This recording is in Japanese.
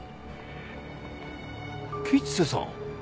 吉瀬さん？